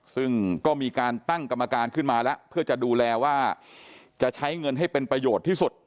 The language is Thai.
ซึ่งก็มีการตั้งกรรมการขึ้นมาแล้วเพื่อจะดูแลว่าจะใช้เงินให้เป็นประโยชน์ที่สุด